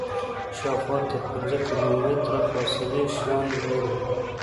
شاوخوا تر پنځه کیلومتره فاصلې شیان ګوري.